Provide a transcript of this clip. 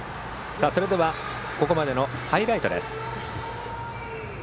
では、ここまでのハイライトです。